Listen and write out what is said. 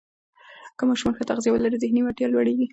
که ماشومان ښه تغذیه ولري، ذهني وړتیا لوړېږي.